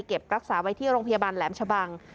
รักษาไว้ที่โรงพยาบาลแหลมชะบัง